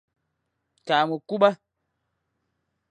Tagha mekuba.